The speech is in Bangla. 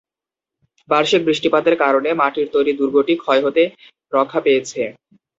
বার্ষিক বৃষ্টিপাতের কারণে মাটির তৈরী দুর্গটি ক্ষয় হতে রক্ষা পেয়েছে।